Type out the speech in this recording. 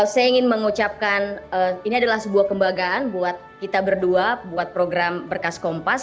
saya ingin mengucapkan ini adalah sebuah kembagaan buat kita berdua buat program berkas kompas